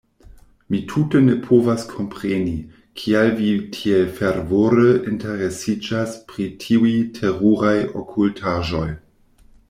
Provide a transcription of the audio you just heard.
Mi tute ne povas kompreni, kial vi tiel fervore interesiĝas pri tiuj teruraj okultaĵoj.